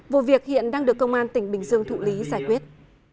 vụ việc hiện đang được công an tỉnh bình dương thụ lý giải quyết